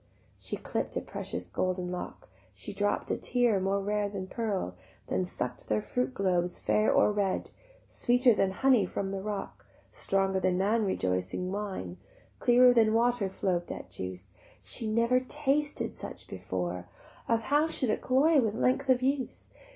She clipp'd a precious golden lock, She dropp'd a tear more rare than pearl, Then suck'd their fruit globes fair or red: Sweeter than honey from the rock, Stronger than man rejoicing wine, Clearer than water flow'd that juice; She never tasted such before, How should it cloy with length of use?